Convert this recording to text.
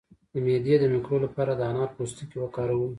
د معدې د مکروب لپاره د انار پوستکی وکاروئ